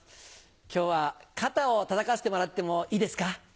今日は肩をたたかせてもらってもいいですか？